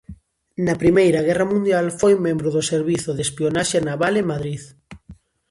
Na Primeira Guerra Mundial foi membro do servizo de espionaxe naval en Madrid.